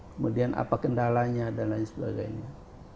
kemudian apa kendalanya dan lain sebagainya